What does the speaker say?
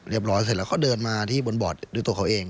ร้อยเสร็จแล้วก็เดินมาที่บนบอร์ดด้วยตัวเขาเอง